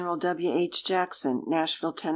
W. H. Jackson, Nashville, Tenn.